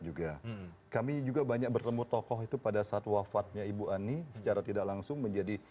juga kami juga banyak bertemu tokoh itu pada saat wafatnya ibu ani secara tidak langsung menjadi